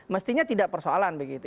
mestinya tidak persoalan begitu